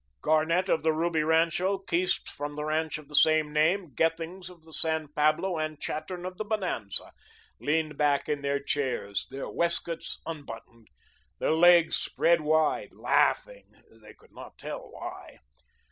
Garnett of the Ruby rancho, Keast from the ranch of the same name, Gethings of the San Pablo, and Chattern of the Bonanza, leaned back in their chairs, their waist coats unbuttoned, their legs spread wide, laughing they could not tell why.